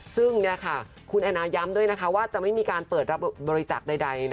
ซึ่งคุณแอนนาย้ำด้วยว่าจะไม่มีการเปิดรับบริจาคใด